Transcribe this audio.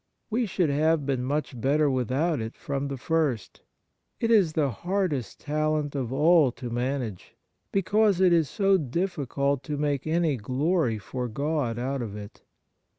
We should have been much better without it from the first. It is the hardest talent of all to manage, because it is so difficult to make any glory for God out of it.